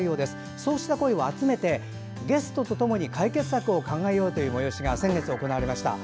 そうした声を集めてゲストと共に解決策を考えようという催しが先月、行われました。